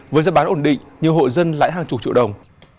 với giá bán ổn định nhiều hộ dân lãi hàng chục triệu đồng